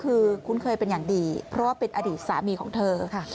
คือคุ้นเคยเป็นอย่างดีเพราะว่าเป็นอดีตสามีของเธอ